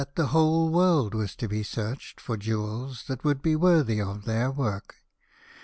the whole world was to be searched for jewels that would be worthy of their work.